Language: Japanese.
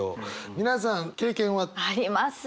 皆さん経験は？あります。